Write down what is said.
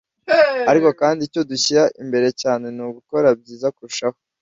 ariko kandi icyo dushyira imbere cyane ni ugukora byiza kurushaho